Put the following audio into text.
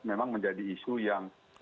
memang menjadi isu yang